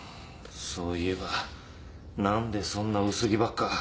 そういえば何でそんな薄着ばっか。